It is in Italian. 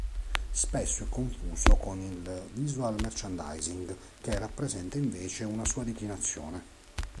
Spesso è confuso con il visual merchandising che rappresenta invece una sua declinazione.